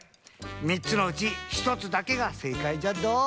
みっつのうちひとつだけがせいかいじゃっど。